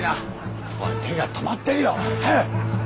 おい手が止まってるよ。早く！